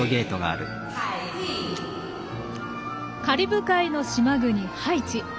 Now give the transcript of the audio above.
カリブ海の島国、ハイチ。